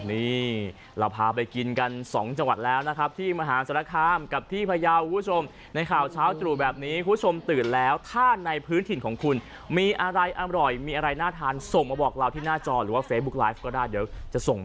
นี่เราพาไปกินกันสองจังหวัดแล้วนะครับที่มหาศรษฐภารกับที่พญาบุคคุณคุณผู้ชม